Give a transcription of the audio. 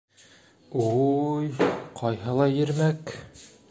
Уй... ҡайһылай ирмәк!